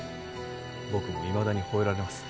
僕もいまだに吠えられます。